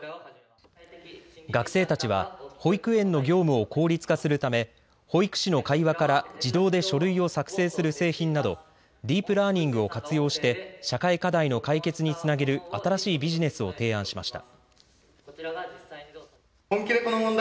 学生たちは保育園の業務を効率化するため保育士の会話から自動で書類を作成する製品などディープラーニングを活用して社会課題の解決につなげる新しいビジネスを提案しました。